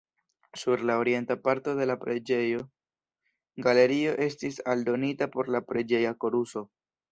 Sur la orienta parto de la preĝejo, galerio estis aldonita por la preĝeja koruso.